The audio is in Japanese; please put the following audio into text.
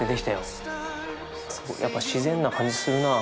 やっぱ自然な感じするなあ。